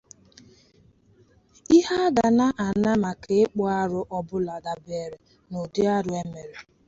Ihe a ga-ana maka ịkpụ arụ ọbụla dàbèèrè n'ụdị arụ e mere